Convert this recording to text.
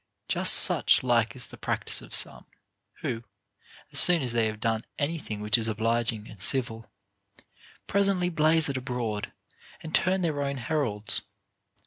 Just such like is the practice of some, wrho, as soon as they have done any thing which is obliging and civil, presently blaze it abroad, and turn their own heralds.